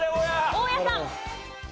大家さん。